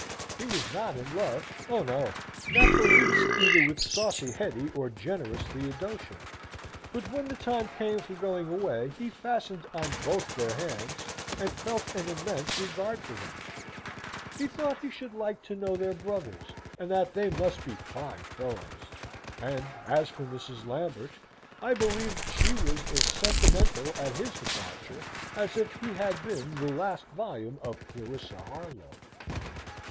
He was not in love; oh no! not the least, either with saucy Hetty or generous Theodosia but when the time came for going away, he fastened on both their hands, and felt an immense regard for them. He thought he should like to know their brothers, and that they must be fine fellows; and as for Mrs. Lambert, I believe she was as sentimental at his departure as if he had been the last volume of Clarissa Harlowe.